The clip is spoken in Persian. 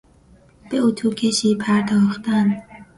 به اطو کشی پرداختن